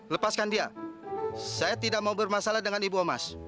lepaskan dia saya tidak mau bermasalah dengan ibu omas